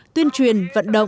tuyên truyền vận động